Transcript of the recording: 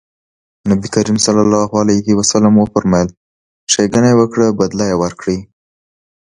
نبي کريم ص وفرمایل ښېګڼه وکړه بدله يې ورکړئ.